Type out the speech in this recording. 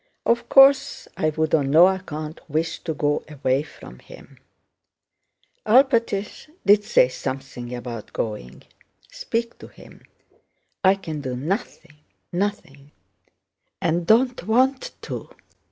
"Of course I would on no account wish to go away from him.... Alpátych did say something about going.... Speak to him; I can do nothing, nothing, and don't want to...."